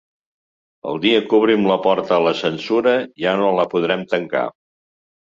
El dia que obrim la porta a la censura ja no la podrem tancar.